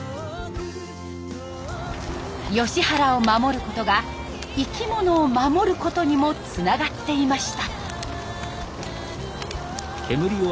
ヨシ原を守ることが生き物を守ることにもつながっていました。